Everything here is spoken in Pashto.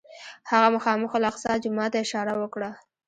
هغه مخامخ الاقصی جومات ته اشاره وکړه.